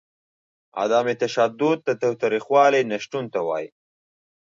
عدم تشدد د تاوتریخوالي نشتون ته وايي.